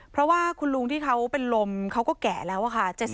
เพราะว่าคุณลุงที่เขาเป็นลมเขาก็แก่แล้วค่ะ